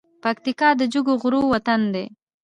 پکتیا د جګو غرو وطن ده .